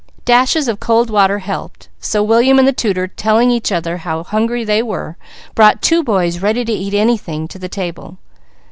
Dashes of cold water helped, so William and the tutor telling each other how hungry they were, brought two boys ready to eat anything, to the table.